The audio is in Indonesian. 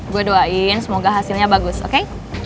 gue doain semoga hasilnya bagus oke